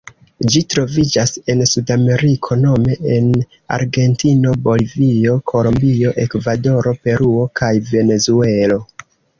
Ĝi troviĝas en Sudameriko nome en Argentino, Bolivio, Kolombio, Ekvadoro, Peruo kaj Venezuelo.